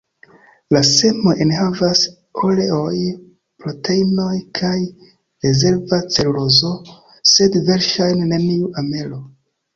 La semoj enhavas oleoj, proteinoj kaj rezerva celulozo, sed verŝajne neniu amelo.